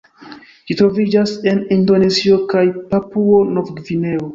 Ĝi troviĝas en Indonezio kaj Papuo-Nov-Gvineo.